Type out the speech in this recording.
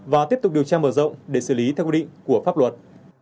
và tiếp tục điều tra mở rộng để xử lý theo quy định của pháp luật